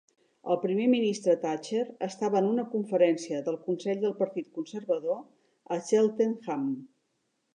El primer ministre Thatcher estava en una conferència del Consell del Partit Conservador a Cheltenham.